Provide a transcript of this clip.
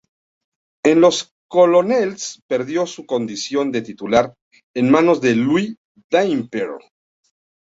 En los Colonels perdió su condición de titular, en manos de Louie Dampier.